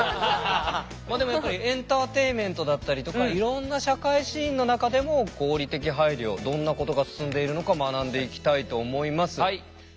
まあでもやっぱりエンターテインメントだったりとかいろんな社会シーンの中でも合理的配慮どんなことが進んでいるのか学んでいきたいと思います。